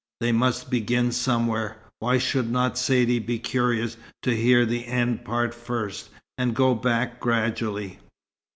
They must begin somewhere. Why should not Saidee be curious to hear the end part first, and go back gradually?